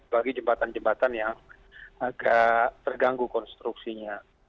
bagi jembatan jembatan yang agak terganggu konstruksinya